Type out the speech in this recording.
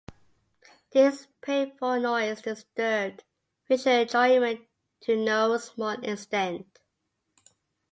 This painful noise disturbed visual enjoyment to no small extent.